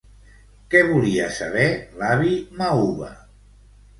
Què volia saber l'avi Mauva?